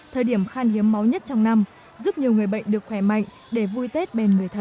thời điểm khan hiếm máu nhất trong năm giúp nhiều người bệnh được khỏe mạnh để vui tết bên người thân